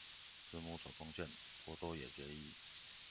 慈母手中線，波多野結衣